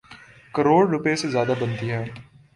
کروڑ روپے سے زیادہ بنتی ہے۔